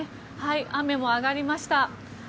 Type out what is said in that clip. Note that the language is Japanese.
雨も上がりました。